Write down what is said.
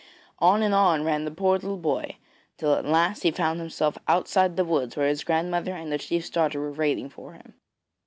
On and on ran the poor little boy, till at last he found himself outside the woods where his grandmother and the chief's daughter were waiting for him.